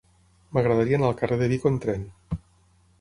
M'agradaria anar al carrer de Vico amb tren.